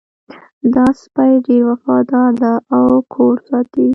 دا سپی ډېر وفادار ده او کور ساتي